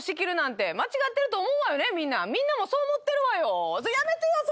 みんなもそう思ってるわよ。